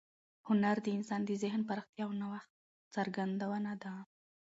هنر د انسان د ذهن پراختیا او د نوښت څرګندونه ده.